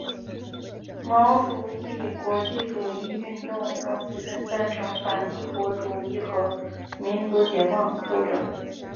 毛主义国际主义运动用舆论赞成反帝国主义和民族解放斗争。